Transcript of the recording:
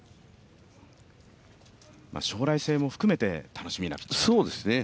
将来性も含めて楽しみなピッチャーと。